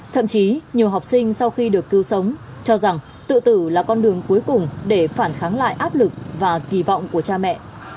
thậm chí nhiều học sinh sau khi được cứu sống cho rằng tự tử là con đường cuối cùng để phản kháng lại áp lực và kỳ vọng của cha mẹ